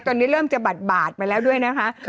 ตอนนี้เริ่มจะบาดไปแล้วด้วยนะคะ